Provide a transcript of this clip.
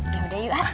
yaudah yuk a